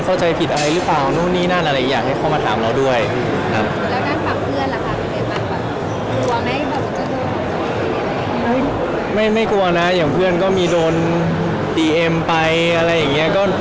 ไม่กลัวนะเหมือนเพื่อนก็มีโดนตีเอ็มไปอะไรอย่างนี้